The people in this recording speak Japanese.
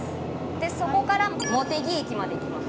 でそこから茂木駅まで行きます。